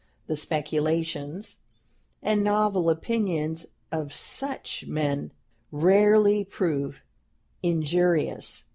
The speculations and novel opinions of such men rarely prove injurious.